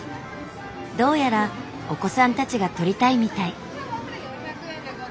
どうやらお子さんたちが撮りたいみたい。